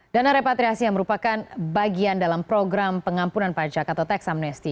dana repatriasi yang merupakan bagian dalam program pengampunan pajak atau tax amnesti